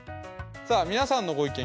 さあ皆さんのご意見